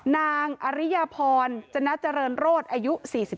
นางอริยพรจนัจเจริญโรธอายุ๔๗